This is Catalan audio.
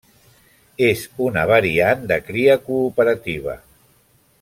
És una variant de cria cooperativa.